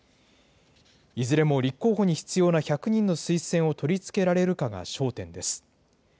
いずれも立候補に必要な１００人の推薦を取り付けられるかが焦点です。